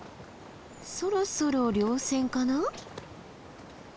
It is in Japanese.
そろそろ稜線かな？